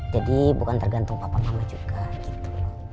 jadi bukan tergantung papa mama juga gitu